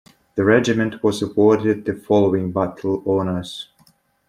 The regiment was awarded the following battle honours.